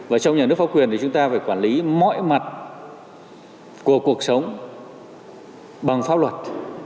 và trong nhà nước pháp quyền thì chúng ta phải quản lý mọi mặt của cuộc sống bằng pháp luật